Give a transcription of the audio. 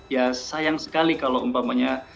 ya sayang sekali kalau umpamanya